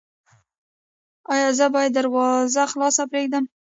ایا زه باید دروازه خلاصه پریږدم؟